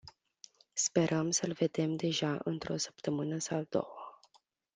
Sperăm să-l vedem deja într-o săptămână sau două.